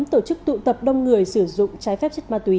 tổ chức tụ tập đông người sử dụng trái phép chất ma túy